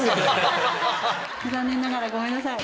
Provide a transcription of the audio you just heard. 残念ながらごめんなさい。